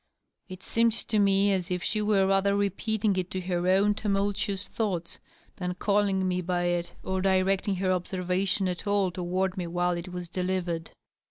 It seemed to me as if she were rather reputing it to her own tumultuous thoughts than calling me by it or directing her observation at all toward me while it was delivered.